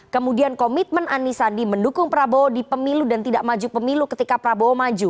kemudian komitmen ani sandi mendukung prabowo di pemilu dan tidak maju pemilu ketika prabowo maju